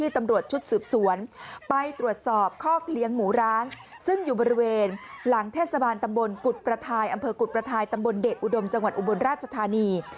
ตำบลกุฎประทายอำเภอกุฎประทายตำบลเดชอุดมจังหวัดอุบรรณราชธานี